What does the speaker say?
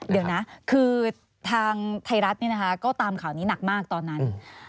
เดี๋ยวนะคือทางไทยรัฐก็ตามข่าวนี้หนักมากตอนนั้น